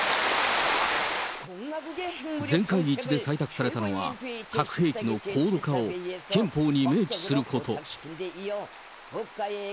全会一致で採択されたのは、核兵器の高度化を憲法に明記すること。